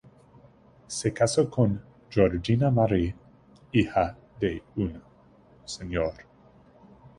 Se casó con Georgina Marie, hija de un "Mr.